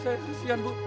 saya kesian bu